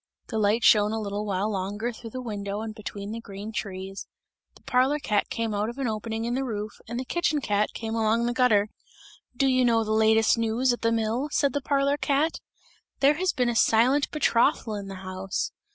The light shone a little while longer through the window and between the green trees; the parlour cat came out of an opening in the roof and the kitchen cat came along the gutter. "Do you know the latest news at the mill?" said the parlour cat, "there has been a silent betrothal in the house!